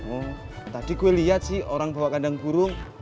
oh tadi gue lihat sih orang bawa kandang burung